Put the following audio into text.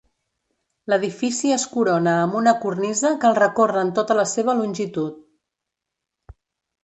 L'edifici es corona amb una cornisa que el recorre en tota la seva longitud.